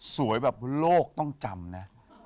แบบโลกต้องจำนะ